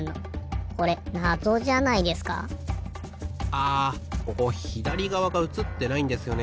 あここひだりがわがうつってないんですよね。